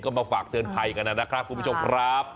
ก็มาฝากเตือนภัยกันนะครับคุณผู้ชมครับ